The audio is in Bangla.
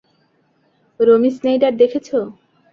রমি স্নেইডার দেখেছ?